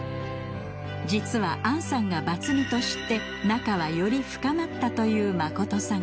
実はアンさんがバツ２と知って仲はより深まったというマコトさん。